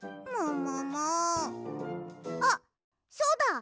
あっそうだ！